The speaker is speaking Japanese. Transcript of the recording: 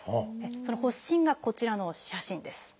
その発疹がこちらの写真です。